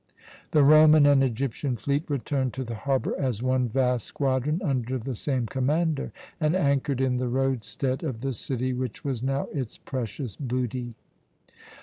The Roman and Egyptian fleet returned to the harbour as one vast squadron under the same commander, and anchored in the roadstead of the city, which was now its precious booty.